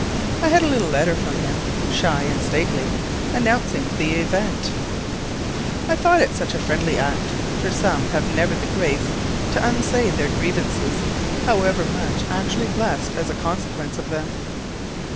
I had a little letter from him, shy and stately, announcing the event. I thought it such a friendly act, for some have never the grace to unsay their grievances, however much actually blessed as a consequence of them.